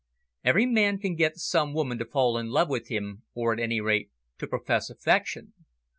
Every man can get some woman to fall in love with him, or, at any rate, to profess affection.